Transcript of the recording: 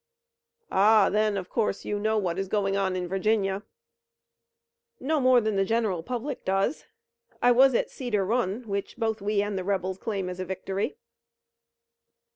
"Ah, then, of course, you know what is going on in Virginia?" "No more than the general public does. I was at Cedar Run, which both we and the rebels claim as a victory."